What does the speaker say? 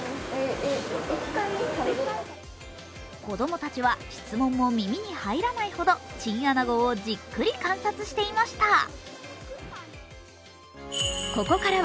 子供たちは質問も耳に入らないほどチンアナゴをじっくり観察していました。